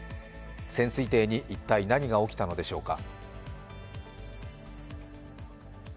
潜水艇に一体、何が起きたのでしょうか。